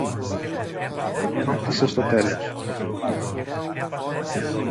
ρώτησε στο τέλος.